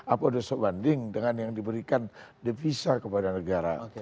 apa udah sebanding dengan yang diberikan divisa kepada negara